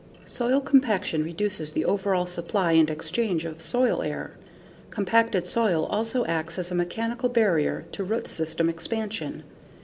Soil compaction reduces the overall supply and exchange of soil air. Compacted soil also acts as a mechanical barrier to root system expansion.